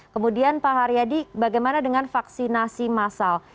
kemudian pak haryadi bagaimana dengan vaksinasi massal